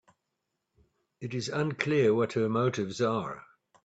It is unclear what her motives are.